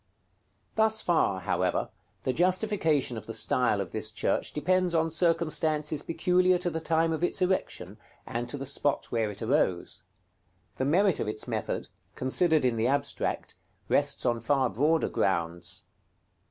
§ XXVIII. Thus far, however, the justification of the style of this church depends on circumstances peculiar to the time of its erection, and to the spot where it arose. The merit of its method, considered in the abstract, rests on far broader grounds.